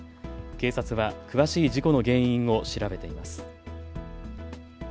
警察は詳しい事故の原因を調べています。